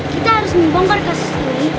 kita harus membongkar kasus ini